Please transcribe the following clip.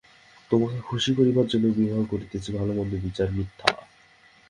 তোমাকে খুশি করিবার জন্য বিবাহ করিতেছি, ভালোমন্দ বিচার মিথ্যা।